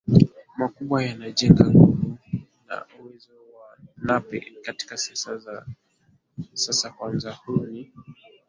makubwa yanajenga nguvu na uwezo wa Nape katika siasa za sasa Kwanza huyu ni